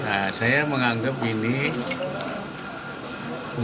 karena saya dianggapnya